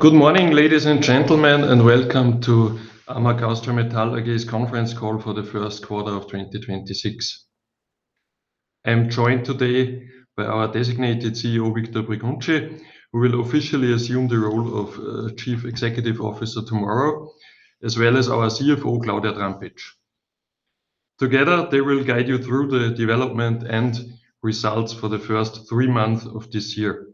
Good morning, ladies and gentlemen, and welcome to AMAG Austria Metall AG's conference call for the first quarter of 2026. I am joined today by our designated CEO, Victor Breguncci, who will officially assume the role of Chief Executive Officer tomorrow, as well as our CFO, Claudia Trampitsch. Together, they will guide you through the development and results for the first three months of this year.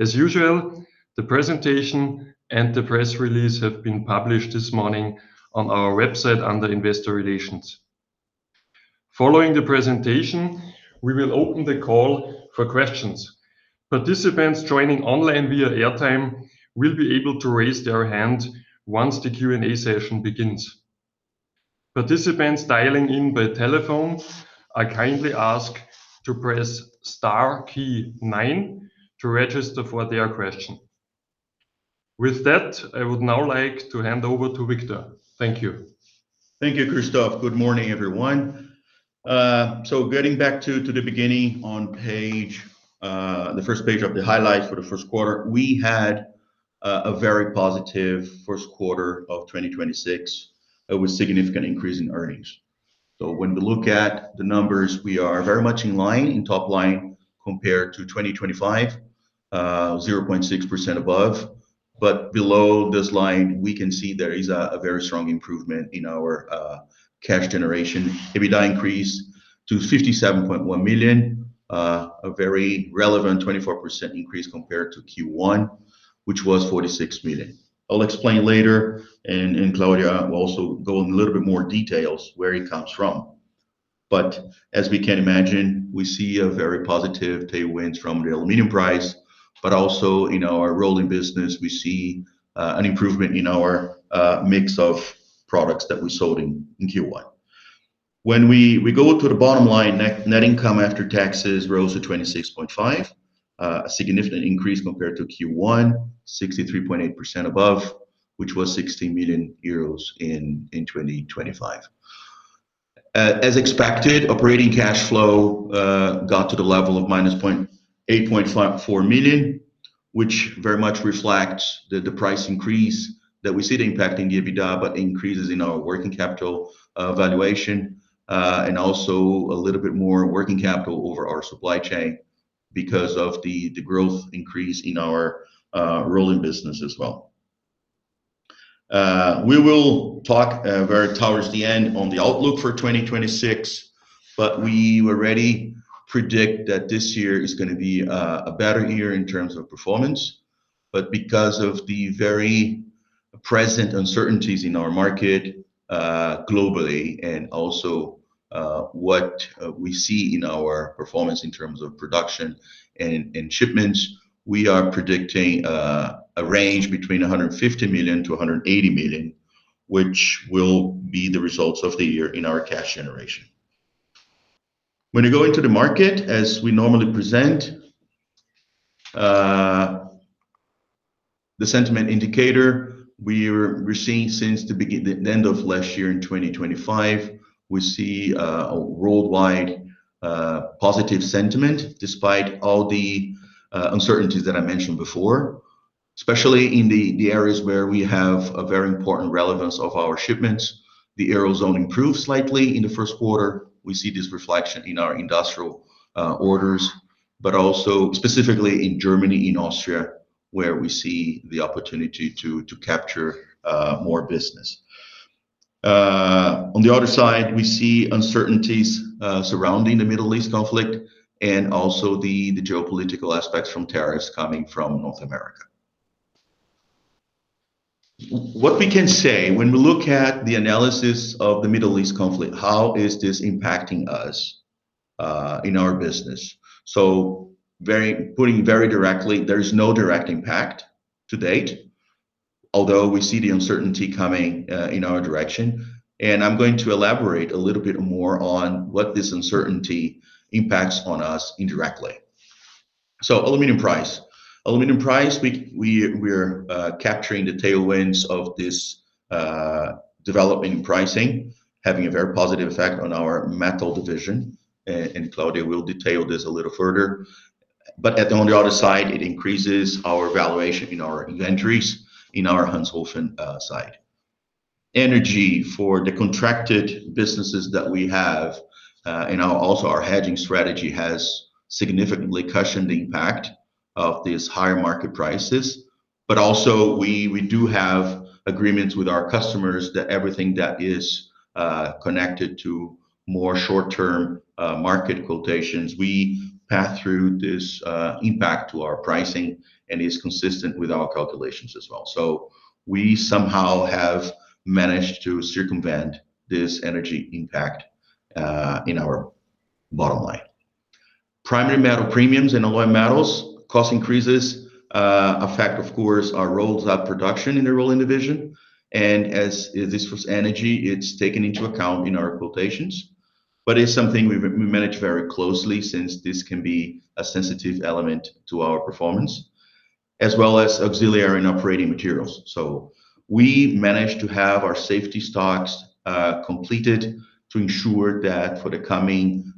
As usual, the presentation and the press release have been published this morning on our website under Investor Relations. Following the presentation, we will open the call for questions. Participants joining online via airtime will be able to raise their hand once the Q&A session begins. Participants dialing in by telephone are kindly asked to press star key nine to register for their question. I would now like to hand over to Victor. Thank you. Thank you, Christoph. Good morning, everyone. Getting back to the beginning on page the first page of the highlights for the first quarter, we had a very positive first quarter of 2026 with significant increase in earnings. When we look at the numbers, we are very much in line, in top line compared to 2025, 0.6% above, but below this line, we can see there is a very strong improvement in our cash generation. EBITDA increased to 57.1 million, a very relevant 24% increase compared to Q1, which was 46 million. I'll explain later and Claudia will also go in a little bit more details where it comes from. As we can imagine, we see a very positive tailwinds from the aluminum price, but also in our rolling business, we see an improvement in our mix of products that we sold in Q1. We go to the bottom line, net income after taxes rose to 26.5, a significant increase compared to Q1, 63.8% above, which was 60 million euros in 2025. As expected, operating cash flow got to the level of minus 8.4 million, which very much reflects the price increase that we see the impact in EBITDA, but increases in our working capital valuation and also a little bit more working capital over our supply chain because of the growth increase in our rolling business as well. We will talk, very towards the end on the outlook for 2026, but we already predict that this year is gonna be a better year in terms of performance. Because of the very present uncertainties in our market, globally, and also, what we see in our performance in terms of production and shipments, we are predicting a range between 150 million-180 million, which will be the results of the year in our cash generation. When we go into the market, as we normally present, the sentiment indicator, we're seeing since the end of last year in 2025, we see a worldwide positive sentiment despite all the uncertainties that I mentioned before, especially in the areas where we have a very important relevance of our shipments. The Eurozone improved slightly in the first quarter. We see this reflection in our industrial orders, but also specifically in Germany, in Austria, where we see the opportunity to capture more business. On the other side, we see uncertainties surrounding the Middle East conflict and also the geopolitical aspects from tariffs coming from North America. What we can say when we look at the analysis of the Middle East conflict, how is this impacting us in our business? Putting very directly, there's no direct impact to date, although we see the uncertainty coming in our direction. I'm going to elaborate a little bit more on what this uncertainty impacts on us indirectly. Aluminum price. Aluminum price, we're capturing the tailwinds of this developing pricing, having a very positive effect on our Metal Division, and Claudia Trampitsch will detail this a little further. On the other side, it increases our valuation in our inventories in our Ranshofen site. Energy for the contracted businesses that we have, also our hedging strategy has significantly cushioned the impact of these higher market prices. Also we do have agreements with our customers that everything that is connected to more short-term market quotations, we pass through this impact to our pricing and is consistent with our calculations as well. We somehow have managed to circumvent this energy impact in our bottom line. Primary metal premiums and alloy metals, cost increases, affect of course our rolled hot production in the Rolling Division. As this was energy, it's taken into account in our quotations. It's something we manage very closely since this can be a sensitive element to our performance, as well as auxiliary and operating materials. We managed to have our safety stocks completed to ensure that for the coming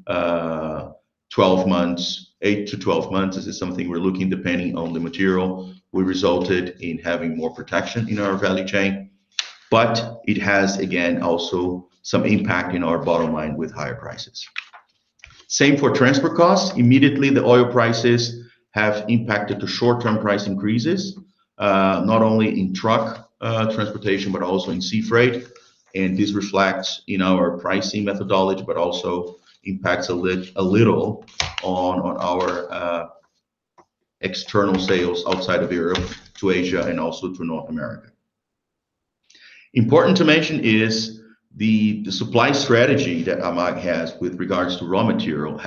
12 months, 8-12 months, this is something we're looking depending on the material. We resulted in having more protection in our value chain, but it has, again, also some impact in our bottom line with higher prices. Same for transport costs. Immediately, the oil prices have impacted the short-term price increases, not only in truck transportation, but also in sea freight. This reflects in our pricing methodology, but also impacts a little on our external sales outside of Europe to Asia and also to North America. Important to mention is the supply strategy that AMAG has with regards to raw material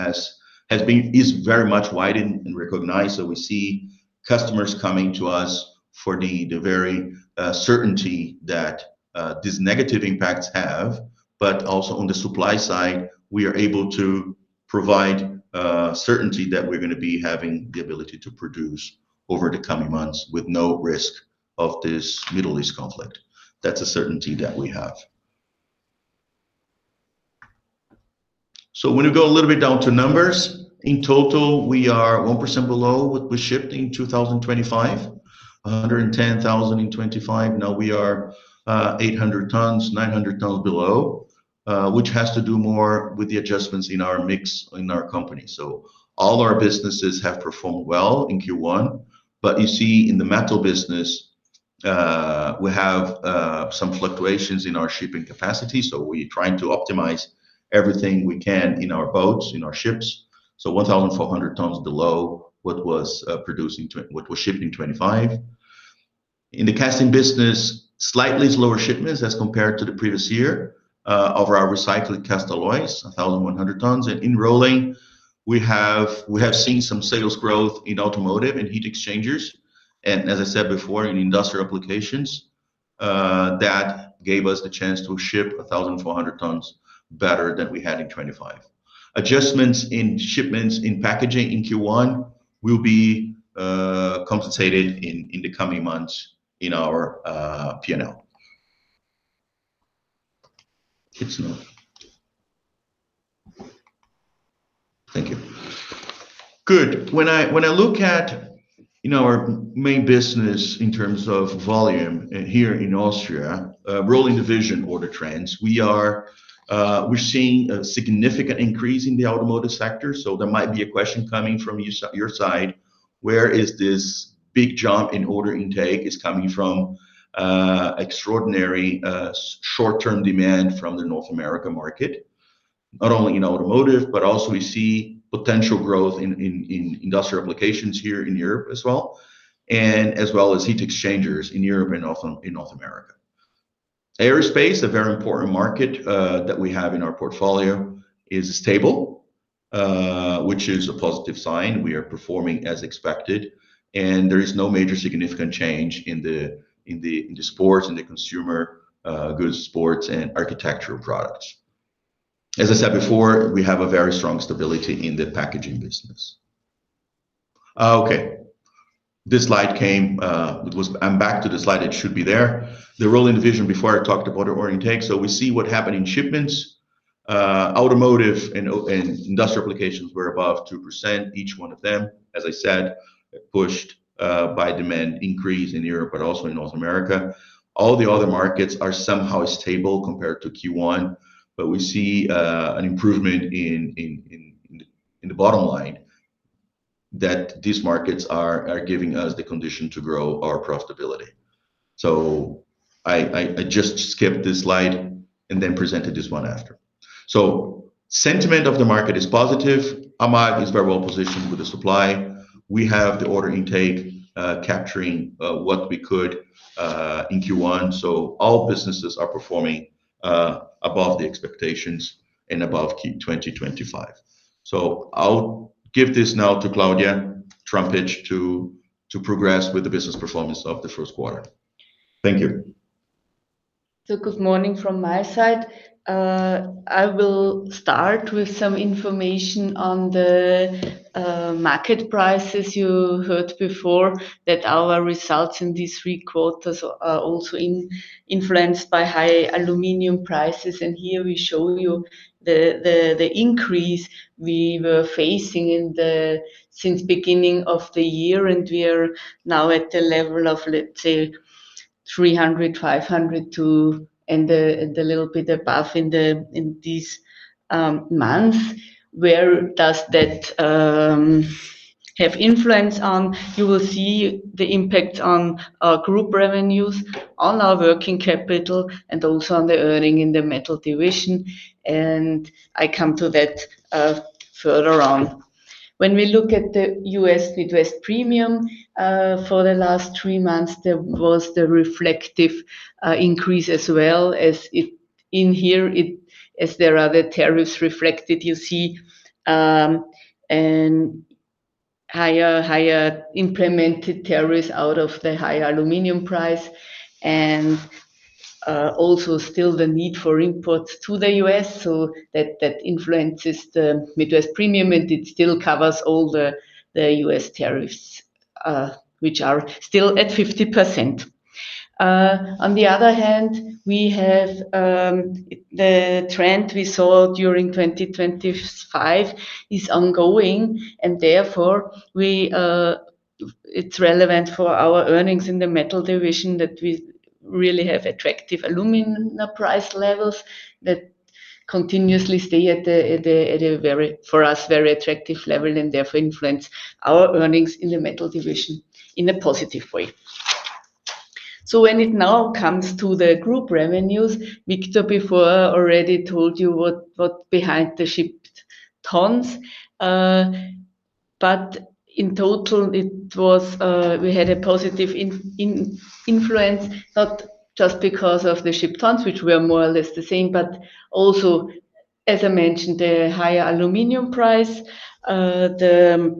is very much widened and recognized. We see customers coming to us for the very certainty that these negative impacts have, but also on the supply side, we are able to provide certainty that we're gonna be having the ability to produce over the coming months with no risk of this Middle East conflict. That's a certainty that we have. When we go a little bit down to numbers, in total, we are 1% below what we shipped in 2025, 110,000 in 2025. Now we are 800 tons, 900 tons below, which has to do more with the adjustments in our mix in our company. All our businesses have performed well in Q1, but you see in the Metal Division, we have some fluctuations in our shipping capacity, so we're trying to optimize everything we can in our boats, in our ships. 1400 tons below what was shipped in 2025. In the Casting Division, slightly slower shipments as compared to the previous year, of our recycled cast alloys, 1,100 tons. In the Rolling Division, we have seen some sales growth in automotive and heat exchangers, and as I said before, in industrial applications, that gave us a chance to ship 1,400 tons better than we had in 2025. Adjustments in shipments in packaging in Q1 will be compensated in the coming months in our P&L. Thank you. Good. When I look at, you know, our main business in terms of volume here in Austria, Rolling Division order trends, we are seeing a significant increase in the automotive sector. There might be a question coming from your side, where is this big jump in order intake? It's coming from extraordinary short-term demand from the North America market, not only in automotive, but also we see potential growth in industrial applications here in Europe as well, and as well as heat exchangers in Europe and also in North America. Aerospace, a very important market that we have in our portfolio, is stable, which is a positive sign. We are performing as expected. There is no major significant change in the sports, in the consumer goods, sports, and architectural products. As I said before, we have a very strong stability in the packaging business. This slide came. I'm back to the slide. It should be there. The Rolling Division, before I talked about our order intake, we see what happened in shipments. Automotive and industrial applications were above 2%, each one of them, as I said, pushed by demand increase in Europe, also in North America. All the other markets are somehow stable compared to Q1, we see an improvement in the bottom line that these markets are giving us the condition to grow our profitability. I just skipped this slide presented this one after. Sentiment of the market is positive. AMAG is very well-positioned with the supply. We have the order intake, capturing, what we could, in Q1, all businesses are performing, above the expectations and above Q 2025. I'll give this now to Claudia Trampitsch to progress with the business performance of the first quarter. Thank you. Good morning from my side. I will start with some information on the market prices. You heard before that our results in these three quarters are also influenced by high aluminum prices, and here we show you the increase we were facing since beginning of the year, and we are now at the level of, let's say, 3,500 to, and a, and a little bit above in this month. Where does that have influence on? You will see the impact on our group revenues, on our working capital, and also on the earning in the Metal Division, and I come to that further on. When we look at the U.S. Midwest Premium, for the last three months, there was the reflective increase as well as in here, as there are the tariffs reflected, you see, and higher implemented tariffs out of the high aluminum price and also still the need for imports to the U.S., so that influences the Midwest Premium, and it still covers all the U.S. tariffs. Which are still at 50%. On the other hand, we have the trend we saw during 2025 is ongoing, and therefore it's relevant for our earnings in the Metal Division that we really have attractive Alumina price levels that continuously stay at a very, for us, very attractive level and therefore influence our earnings in the Metal Division in a positive way. When it now comes to the group revenues, Victor before already told you what behind the shipped tons. In total it was, we had a positive influence, not just because of the shipped tons, which were more or less the same, but also, as I mentioned, the higher aluminum price, the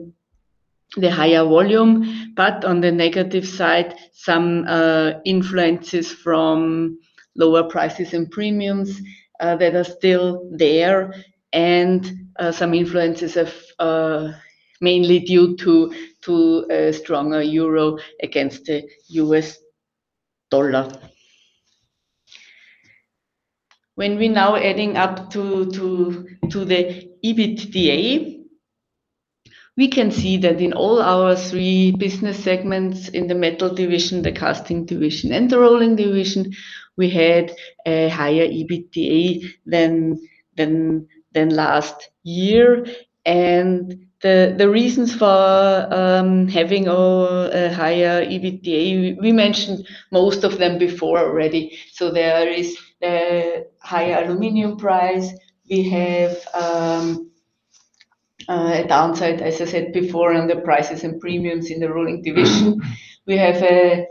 higher volume. On the negative side, some influences from lower prices and premiums, that are still there, and some influences of, mainly due to a stronger euro against the US dollar. When we now adding up to the EBITDA, we can see that in all our three business segments, in the Metal Division, the Casting Division, and the Rolling Division, we had a higher EBITDA than last year. The reasons for having a higher EBITDA, we mentioned most of them before already. There is the higher aluminum price. We have a downside, as I said before, on the prices and premiums in the Rolling Division. We have a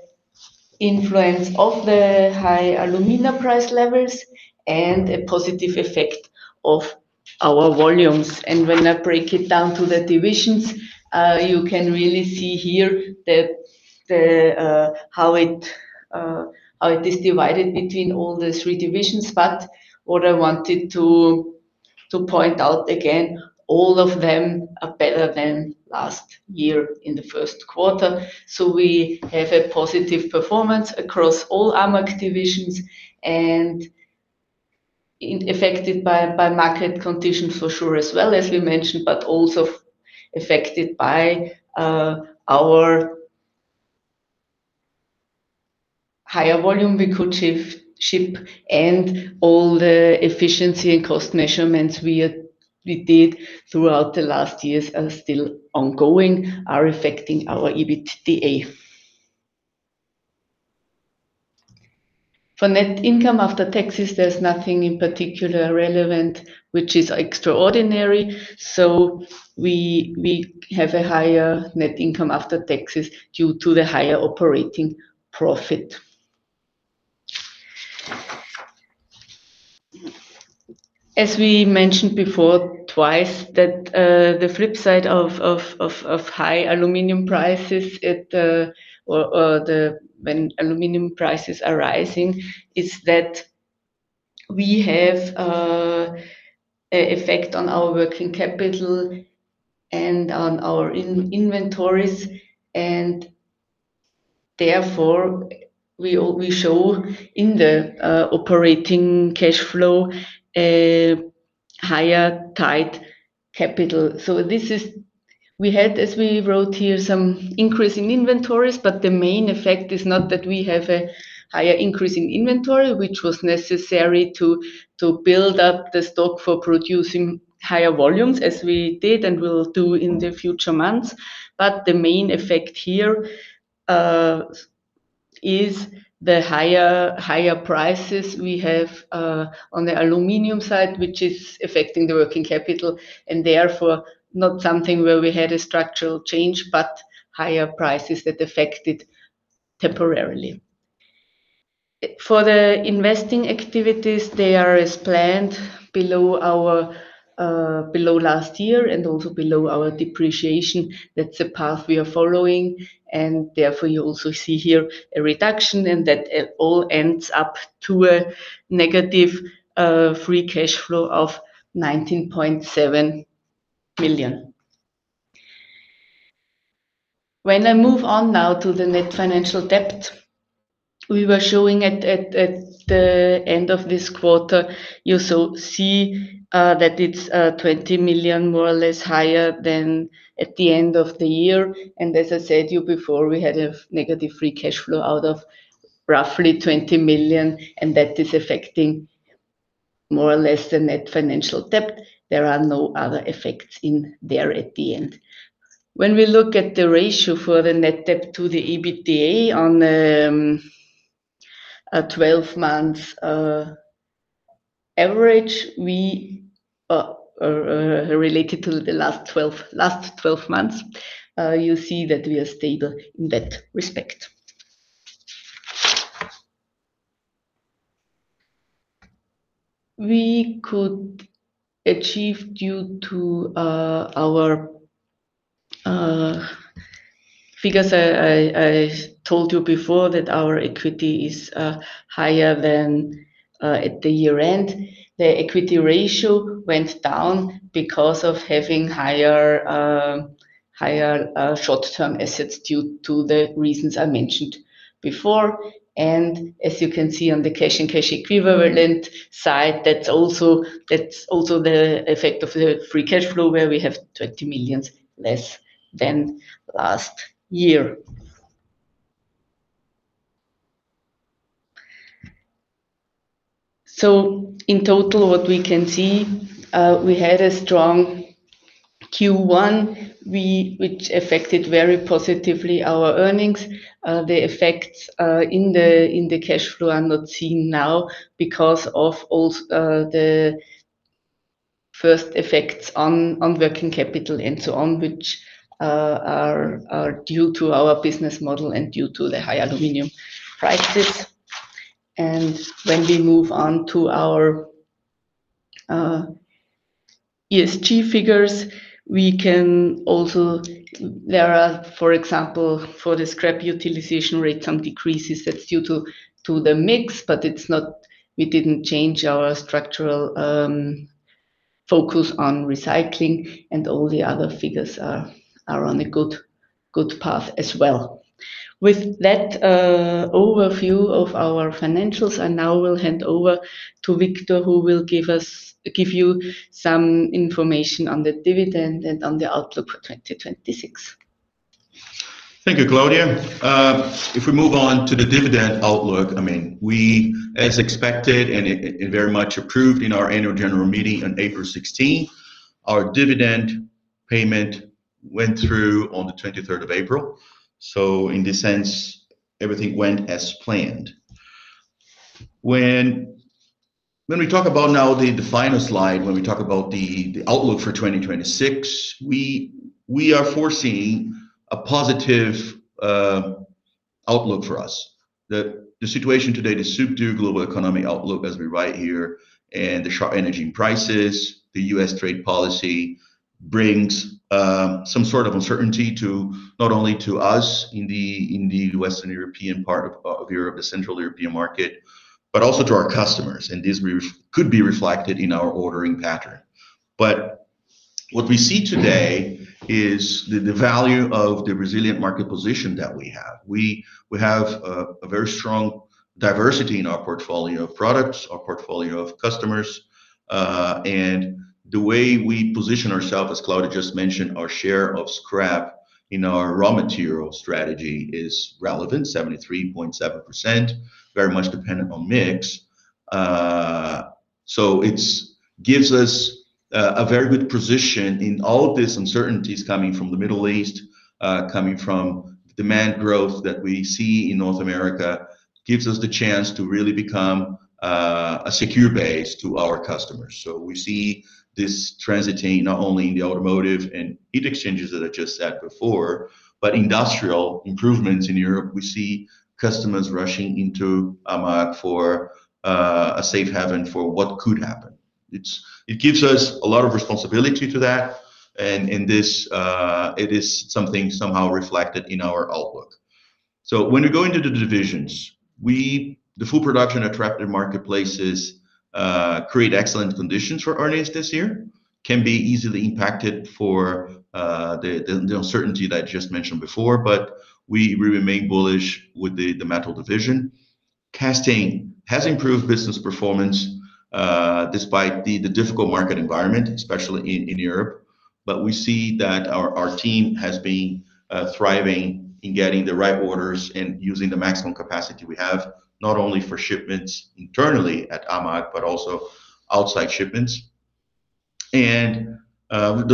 influence of the high Alumina price levels and a positive effect of our volumes. When I break it down to the divisions, you can really see here that how it is divided between all the three divisions. What I wanted to point out again, all of them are better than last year in the first quarter. We have a positive performance across all AMAG divisions, affected by market conditions for sure as well as we mentioned, but also affected by our higher volume we could ship, and all the efficiency and cost measurements we did throughout the last years are still ongoing, are affecting our EBITDA. For net income after taxes, there is nothing in particular relevant which is extraordinary, we have a higher net income after taxes due to the higher operating profit. As we mentioned before twice, that the flip side of high aluminum prices when aluminum prices are rising, is that we have an effect on our working capital and on our inventories, and therefore we show in the operating cash flow a higher tied capital. We had, as we wrote here, some increase in inventories, but the main effect is not that we have a higher increase in inventory, which was necessary to build up the stock for producing higher volumes as we did and will do in the future months. The main effect here is the higher prices we have on the aluminum side, which is affecting the working capital, and therefore not something where we had a structural change, but higher prices that affected temporarily. For the investing activities, they are as planned below our below last year and also below our depreciation. That's the path we are following, and therefore you also see here a reduction, and that all ends up to a negative free cash flow of 19.7 million. When I move on now to the net financial debt, we were showing at the end of this quarter, you see that it's 20 million more or less higher than at the end of the year. As I said to you before, we had a negative free cash flow out of roughly 20 million, and that is affecting more or less the net financial debt. There are no other effects in there at the end. When we look at the ratio for the net debt to the EBITDA on a 12-month average, we related to the last 12 months, you see that we are stable in that respect. Because I told you before that our equity is higher than at the year-end, the equity ratio went down because of having higher short-term assets due to the reasons I mentioned before. As you can see on the cash and cash equivalent side, that's also the effect of the free cash flow, where we have 20 million less than last year. In total, what we can see, we had a strong Q1, which affected very positively our earnings. The effects in the cash flow are not seen now because of the first effects on working capital and so on, which are due to our business model and due to the high aluminum prices. When we move on to our ESG figures, we can also. There are, for example, for the Scrap Utilization Rate, some decreases that's due to the mix, but we didn't change our structural focus on recycling, and all the other figures are on a good path as well. With that overview of our financials, I now will hand over to Victor Breguncci, who will give you some information on the dividend and on the outlook for 2026. Thank you, Claudia. If we move on to the dividend outlook, I mean, we, as expected, and it very much approved in our annual general meeting on April 16, our dividend payment went through on the 23rd of April. In this sense, everything went as planned. When we talk about now the final slide, when we talk about the outlook for 2026, we are foreseeing a positive outlook for us. The situation today, the subdued global economy outlook as we write here, and the sharp energy prices, the U.S. trade policy brings some sort of uncertainty to not only to us in the Western European part of Europe, the Central European market, but also to our customers, and this could be reflected in our ordering pattern. What we see today is the value of the resilient market position that we have. We have a very strong diversity in our portfolio of products, our portfolio of customers, and the way we position ourselves, as Claudia just mentioned, our share of scrap in our raw material strategy is relevant, 73.7%, very much dependent on mix. It gives us a very good position in all of these uncertainties coming from the Middle East, coming from demand growth that we see in North America, gives us the chance to really become a secure base to our customers. We see this translating not only in the automotive and heat exchangers that I just said before, but industrial improvements in Europe. We see customers rushing into AMAG for a safe haven for what could happen. It gives us a lot of responsibility to that and it is something somehow reflected in our outlook. When we go into the divisions, the full production attractive marketplaces create excellent conditions for Alouette this year, can be easily impacted for the uncertainty that I just mentioned before, we remain bullish with the Metal Division. Casting has improved business performance despite the difficult market environment, especially in Europe. We see that our team has been thriving in getting the right orders and using the maximum capacity we have, not only for shipments internally at AMAG, but also outside shipments. The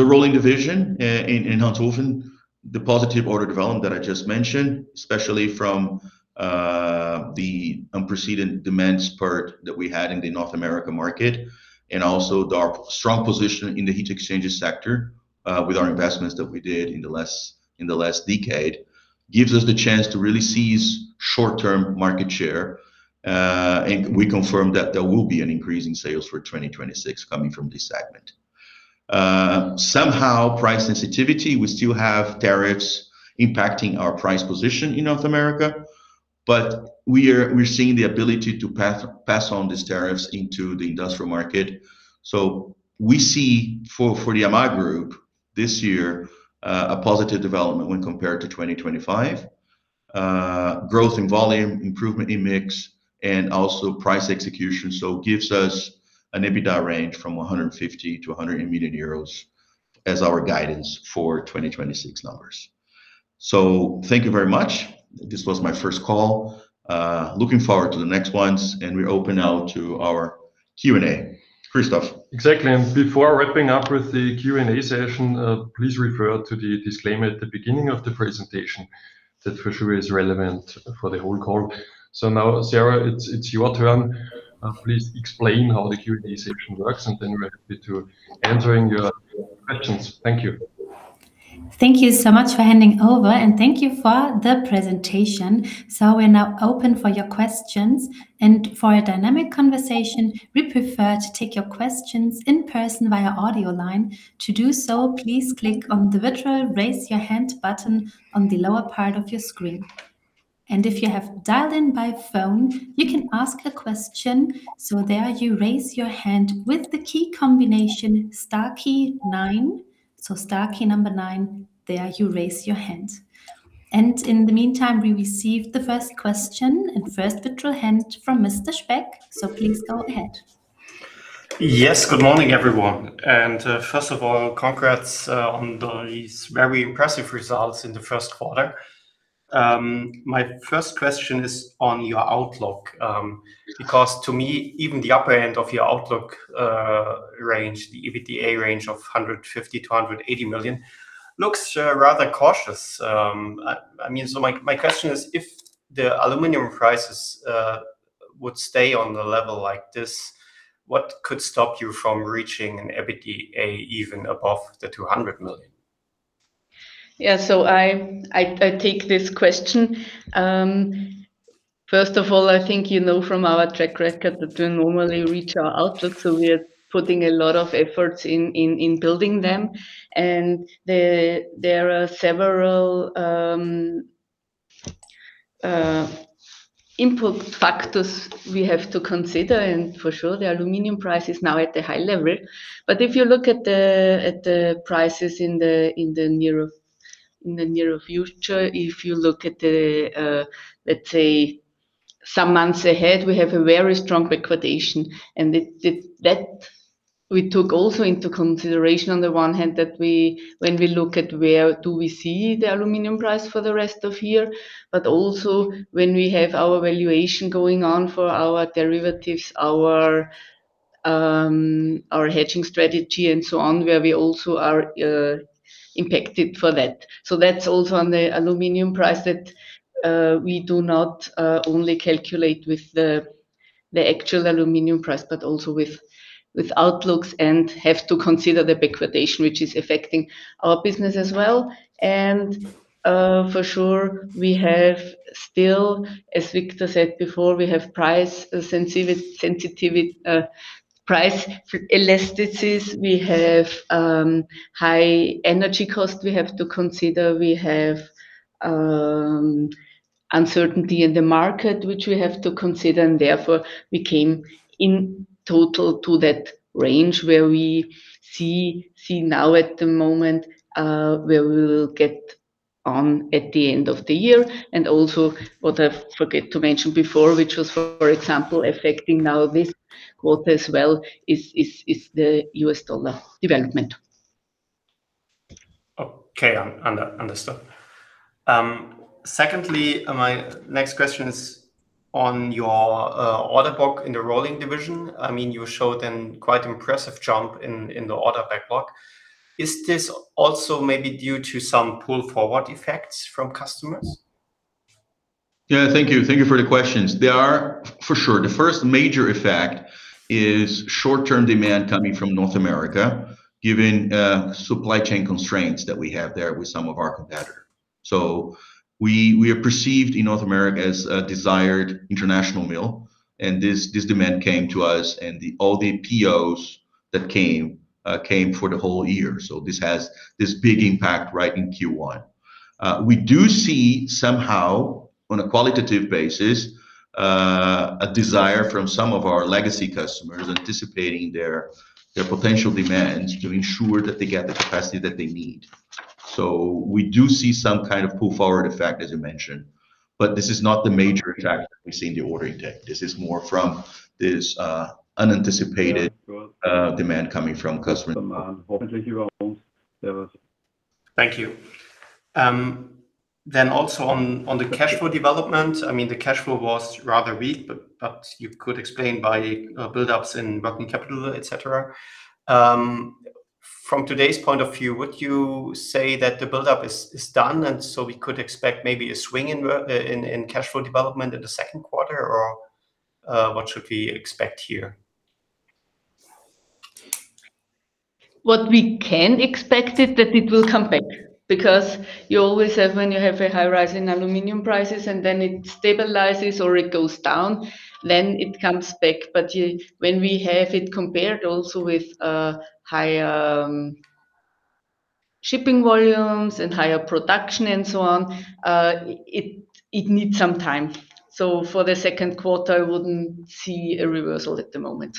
Rolling Division in Ranshofen, the positive order development that I just mentioned, especially from the unprecedented demand spurt that we had in the North America market and also our strong position in the heat exchangers sector, with our investments that we did in the last decade, gives us the chance to really seize short-term market share. We confirm that there will be an increase in sales for 2026 coming from this segment. Somehow price sensitivity, we still have tariffs impacting our price position in North America, but we are seeing the ability to pass on these tariffs into the industrial market. We see for the AMAG Group this year, a positive development when compared to 2025. Growth in volume, improvement in mix, and also price execution, gives us an EBITDA range from 150 million-100 million euros as our guidance for 2026 numbers. Thank you very much. This was my first call. Looking forward to the next ones, and we open now to our Q&A. Christoph. Exactly. Before wrapping up with the Q&A session, please refer to the disclaimer at the beginning of the presentation that for sure is relevant for the whole call. Now, Sarah, it's your turn. Please explain how the Q&A session works, and then we're happy to answer your questions. Thank you. Thank you so much for handing over, and thank you for the presentation. We're now open for your questions. For a dynamic conversation, we prefer to take your questions in person via audio line. To do so, please click on the virtual Raise Your Hand button on the lower part of your screen. If you have dialed in by phone, you can ask a question. There you raise your hand with the key combination star key 9. Star key number 9, there you raise your hand. In the meantime, we received the first question and first virtual hand from Mr. Speck, please go ahead. Yes, good morning, everyone. First of all, congrats on these very impressive results in the first quarter. My first question is on your outlook, because to me, even the upper end of your outlook range, the EBITDA range of 150 million-180 million looks rather cautious. I mean, my question is, if the aluminum prices would stay on the level like this, what could stop you from reaching an EBITDA even above the 200 million? I take this question. First of all, I think you know from our track record that we normally reach our outlook, so we are putting a lot of efforts in building them. There are several input factors we have to consider, and for sure, the aluminum price is now at a high level. If you look at the prices in the near future, if you look at the, let's say some months ahead, we have a very strong backwardation. That we took also into consideration on the one hand that we, when we look at where do we see the aluminum price for the rest of year, but also when we have our valuation going on for our derivatives, our hedging strategy and so on, where we also are impacted for that. That's also on the aluminum price that we do not only calculate with the actual aluminum price, but also with outlooks and have to consider the Backwardation, which is affecting our business as well. For sure, we have still, as Victor said before, we have price sensitivity, price elasticities. We have high energy cost we have to consider. We have uncertainty in the market, which we have to consider. Therefore, we came in total to that range where we see now at the moment, where we will get on at the end of the year. Also what I forget to mention before, which was, for example, affecting now this quarter as well is the U.S. dollar development. Okay. Understood. Secondly, my next question is on your order book in the Rolling Division. I mean, you showed an quite impressive jump in the order backlog. Is this also maybe due to some pull-forward effects from customers? Yeah. Thank you. Thank you for the questions. For sure, the first major effect is short-term demand coming from North America, given supply chain constraints that we have there with some of our competitor. We are perceived in North America as a desired international mill, and this demand came to us, and all the POs that came came for the whole year. This has this big impact right in Q1. We do see somehow, on a qualitative basis, a desire from some of our legacy customers anticipating their potential demands to ensure that they get the capacity that they need. We do see some kind of pull-forward effect, as you mentioned. This is not the major effect that we see in the ordering deck, this more from an anticipated demand coming from customer. Thank you. Also on the cash flow development, I mean, the cash flow was rather weak, but you could explain by buildups in working capital, etc. From today's point of view, would you say that the buildup is done, we could expect maybe a swing in cash flow development in the second quarter? What should we expect here? What we can expect is that it will come back because you always have, when you have a high rise in aluminum prices and then it stabilizes or it goes down, then it comes back. When we have it compared also with higher shipping volumes and higher production and so on, it needs some time. For the second quarter, I wouldn't see a reversal at the moment.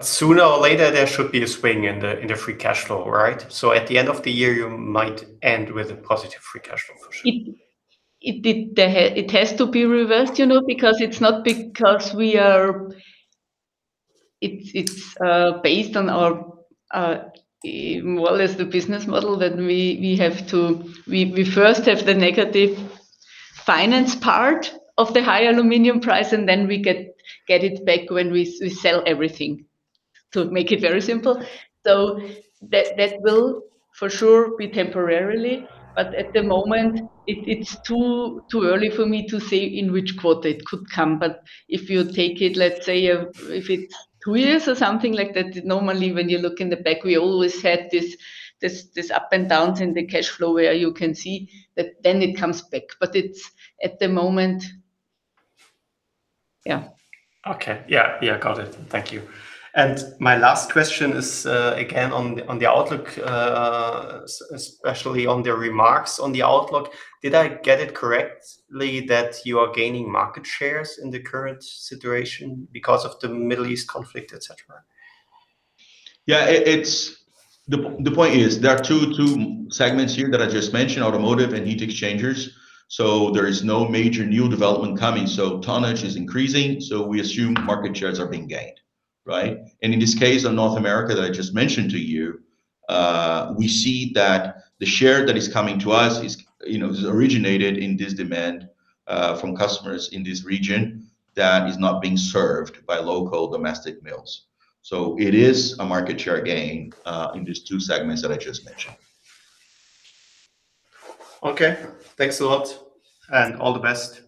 Sooner or later, there should be a swing in the free cash flow, right? At the end of the year, you might end with a positive free cash flow for sure. It has to be reversed, you know, because it's not because we are. It's based on our as the business model that we have to. We first have the negative finance part of the high aluminum price, and then we get it back when we sell everything, to make it very simple. That will for sure be temporarily, but at the moment, it's too early for me to say in which quarter it could come. If you take it, let's say, if it's two years or something like that, normally when you look in the back, we always had this up and downs in the cash flow where you can see that then it comes back, bit it's at the moment. Yeah. Okay. Yeah, yeah, got it. Thank you. My last question is again on on the outlook especially on the remarks on the outlook. Did I get it correctly that you are gaining market shares in the current situation because of the Middle East conflict, etc? Yeah. It's. The point is there are two segments here that I just mentioned, automotive and heat exchangers. There is no major new development coming. Tonnage is increasing, so we assume market shares are being gained, right? In this case of North America that I just mentioned to you, we see that the share that is coming to us is, you know, is originated in this demand from customers in this region that is not being served by local domestic mills. It is a market share gain in these two segments that I just mentioned. Okay. Thanks a lot, and all the best.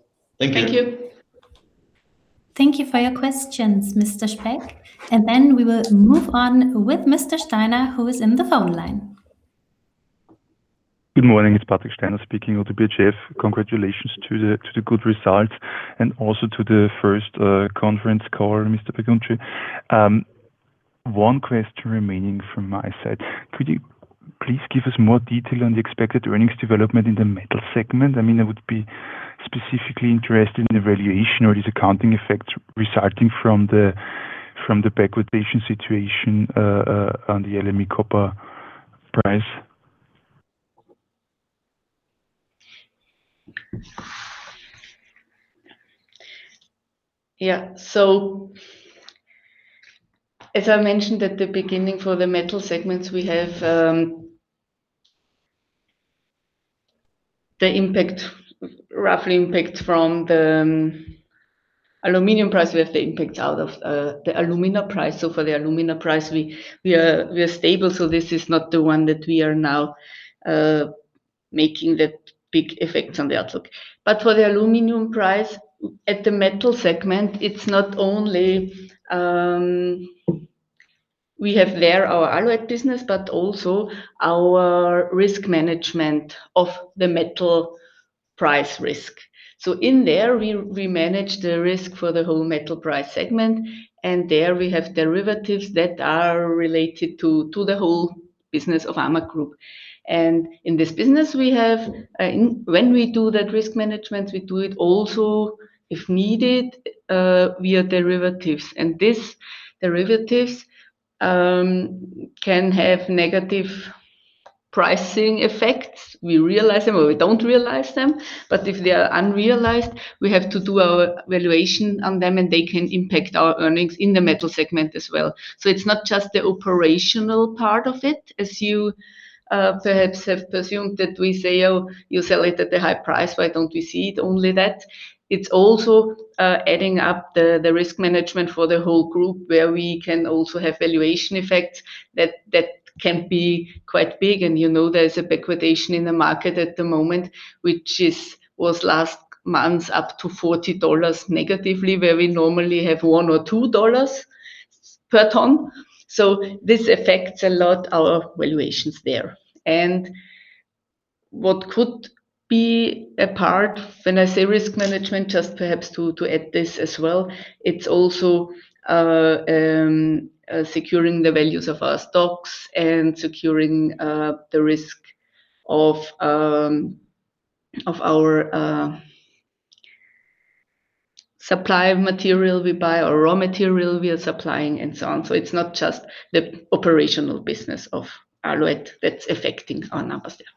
Thank you. Thank you. Thank you for your questions, Mr. Speck. We will move on with Mr. Steiner, who is in the phone line. Good morning. It's Patrick Steiner speaking with the BHF. Congratulations to the good results, and also to the first conference call, Mr. Breguncci. One question remaining from my side. Could you please give us more detail on the expected earnings development in the metal segment? I mean, I would be specifically interested in the valuation or this accounting effect resulting from the backwardation situation on the LME aluminum price. Yeah. As I mentioned at the beginning, for the metal segments, we have the impact, roughly impact from the aluminum price. We have the impact out of the Alumina price. For the Alumina price, we are stable, so this is not the one that we are now making that big effect on the outlook. For the aluminum price, at the metal segment, it's not only we have there our alloy business, but also our risk management of the metal price risk. In there, we manage the risk for the whole metal price segment, and there we have derivatives that are related to the whole business of AMAG Group. In this business, we have when we do that risk management, we do it also, if needed, via derivatives. This derivatives can have negative pricing effects. We realize them or we don't realize them. If they are unrealized, we have to do our valuation on them, and they can impact our earnings in the Metal Division as well. It's not just the operational part of it, as you perhaps have presumed that we say, "Oh, you sell it at the high price. Why don't we see it only that?" It's also adding up the risk management for the whole group, where we can also have valuation effects that can be quite big. You know there's a backwardation in the market at the moment, which was last month up to EUR 40 negatively, where we normally have 1 or EUR 2 per ton. This affects a lot our valuations there. What could be a part, when I say risk management, just perhaps to add this as well, it's also securing the values of our stocks and securing the risk of our supply of material we buy or raw material we are supplying and so on. It's not just the operational business of alloy that's affecting our numbers there.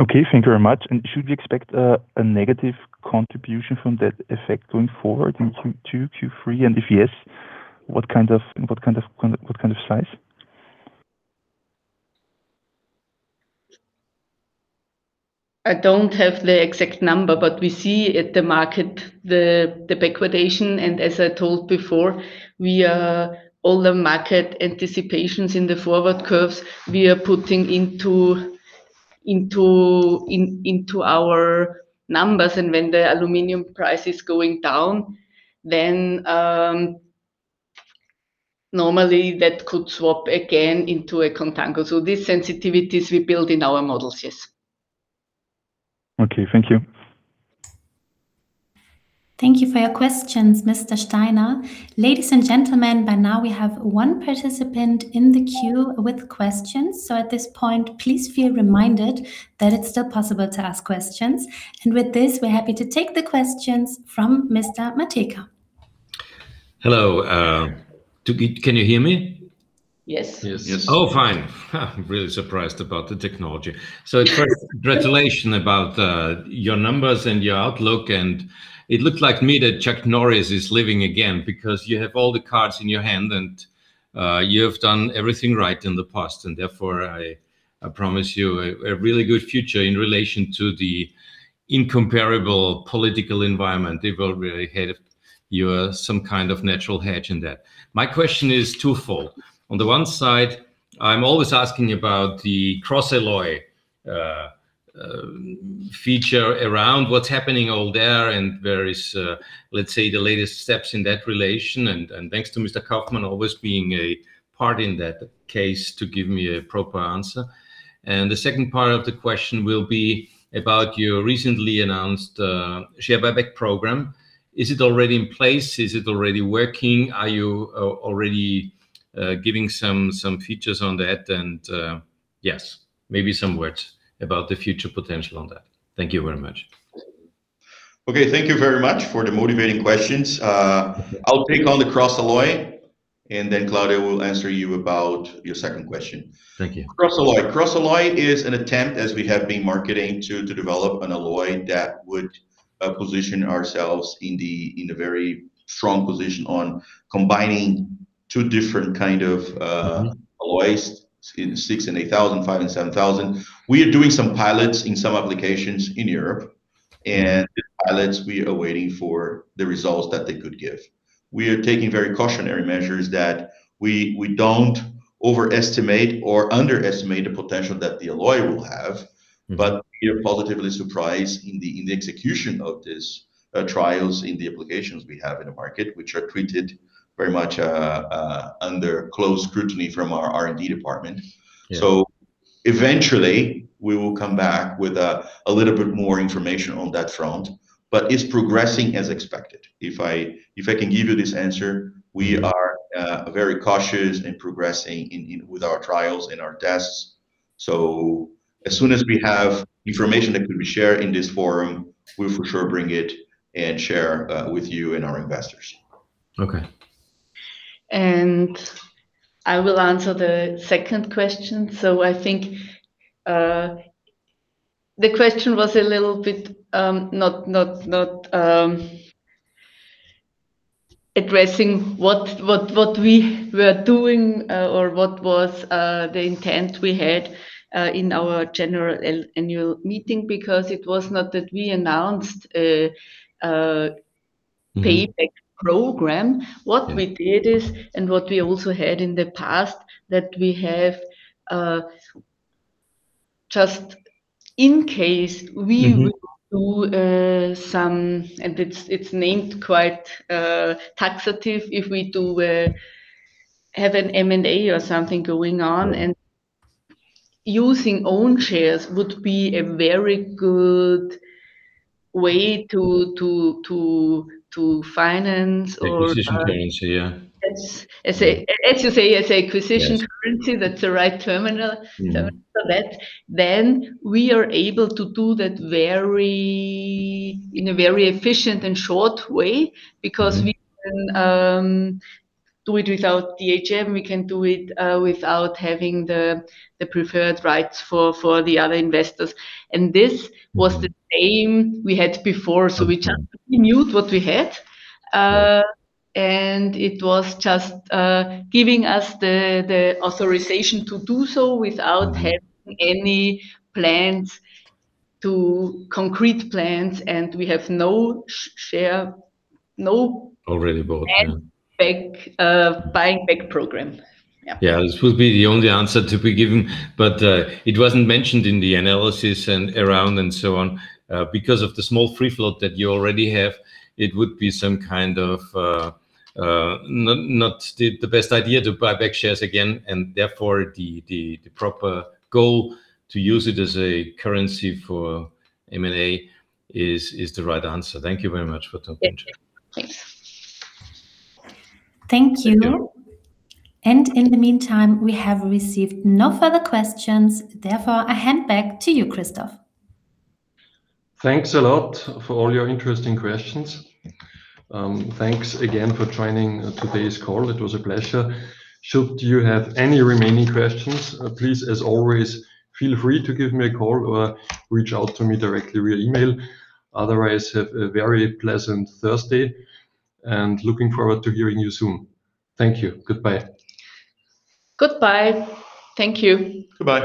Okay. Thank you very much. Should we expect a negative contribution from that effect going forward in Q2, Q3? If yes, what kind of, what kind of size? I don't have the exact number, but we see at the market the Backwardation. As I told before, all the market anticipations in the forward curves, we are putting into our numbers. When the aluminum price is going down, then normally that could swap again into a Contango. These sensitivities we build in our models, yes. Okay. Thank you. Thank you for your questions, Mr. Steiner. Ladies and gentlemen, by now we have one participant in the queue with questions. At this point, please feel reminded that it's still possible to ask questions. With this, we're happy to take the questions from Mr. Matejka. Hello. Can you hear me? Yes. Yes. Oh, fine. I'm really surprised about the technology. First, congratulations about your numbers and your outlook. It looked like me that Chuck Norris is living again, because you have all the cards in your hand and you have done everything right in the past. Therefore, I promise you a really good future in relation to the incomparable political environment they will really have. You are some kind of natural hedge in that. My question is twofold. On the one side, I'm always asking about the CrossAlloy feature around what's happening over there and various, let's say, the latest steps in that relation and thanks to Mr. Kaufmann always being a part in that case to give me a proper answer. The second part of the question will be about your recently-announced share buyback program. Is it already in place? Is it already working? Are you already giving some features on that? Yes, maybe some words about the future potential on that. Thank you very much. Okay. Thank you very much for the motivating questions. I'll take on the CrossAlloy and then Claudia will answer you about your second question. Thank you. CrossAlloy. CrossAlloy is an attempt, as we have been marketing, to develop an alloy that would position ourselves in a very strong position on combining two different kind of alloys, in 6000 and 8000, 5,000 and 7000. We are doing some pilots in some applications in Europe. We are waiting for the results that they could give. We are taking very cautionary measures that we don't overestimate or underestimate the potential that the alloy will have. We are positively surprised in the execution of these trials in the applications we have in the market, which are treated very much under close scrutiny from our R&D department. Yeah. Eventually, we will come back with a little bit more information on that front, but it's progressing as expected. If I can give you this answer, we are very cautious in progressing with our trials and our tests. As soon as we have information that could be shared in this forum, we'll for sure bring it and share with you and our investors. Okay. I will answer the second question. I think the question was a little bit not addressing what we were doing or what was the intent we had in our general annual meeting, because it was not that we announced- Mm-hmm ...pay back program. Yeah. What we did is, and what we also had in the past, that we have- Mm-hmm ...just incase, we will do, some, and it's named quite, taxative if we have an M&A or something going on, and using own shares would be a very good way to finance. The acquisition currency, yeah. It's- Yeah ...as you say, as acquisition currency. Yes That's the right terminal- Mm-hmm ...terminal. We are able to do that very, in a very efficient and short way. Mm-hmm Because we can do it without EGM, we can do it without having the preferred rights for the other investors. This was the aim we had before, so we just continued what we had-and it was just giving us the authorization to do so without any plans to concrete plans, and we have no share- Already bought, yeah. ...buyback, buying back program. Yeah. This would be the only answer to be given, but it wasn't mentioned in the analysis and around and so on. Because of the small free float that you already have, it would be some kind of not the best idea to buy back shares again, and therefore, the proper goal to use it as a currency for M&A is the right answer. Thank you very much for talking to me. Yeah. Thanks. Thank you. In the meantime, we have received no further questions, therefore, I hand back to you, Christoph. Thanks a lot for all your interesting questions. Thanks again for joining today's call. It was a pleasure. Should you have any remaining questions, please, as always, feel free to give me a call or reach out to me directly via email. Otherwise, have a very pleasant Thursday, looking forward to hearing you soon. Thank you. Goodbye. Goodbye. Thank you. Goodbye.